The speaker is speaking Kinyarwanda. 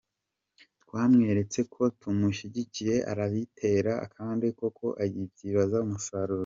Twamweretse ko tumushyigikiye arayitera kandi koko ayibyaza umusaruro.